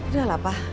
udah lah pa